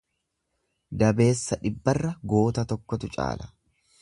Dabeessa dhibbarra goota tokkotu caala.